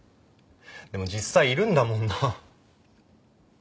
でも実際いるんだもんな。